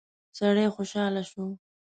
سړی خوشاله شو.